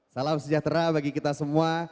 salam sejahtera bagi kita semua